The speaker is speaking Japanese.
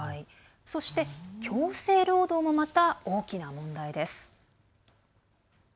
そして、強制労働もまた大きな問題です。